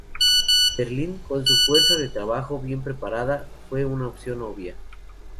Berlín, con su fuerza de trabajo bien preparada, fue una opción obvia.